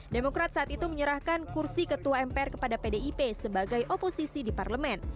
demokrat saat itu menyerahkan kursi ketua mpr kepada pdip sebagai oposisi di parlemen